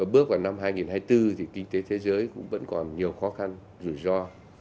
bước vào năm hai nghìn hai mươi bốn thì kinh tế thế giới cũng vẫn còn nhiều khó khăn rủi ro